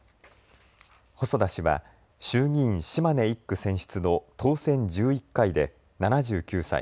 細田氏は衆議院島根１区選出の当選１１回で７９歳。